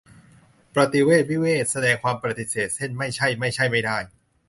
ประติเษธวิเศษณ์ แสดงความปฎิเสธ เช่น ไม่ ไม่ใช่ ไม่ได้